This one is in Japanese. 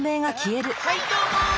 はいどうも！